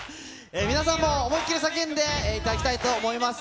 皆さんも思いっ切りさけんでいただきたいと思います。